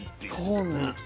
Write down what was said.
そうなんです。